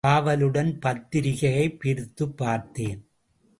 ஆவலுடன் பத்திரிகையைப் பிரித்துப்பார்த்தேன்.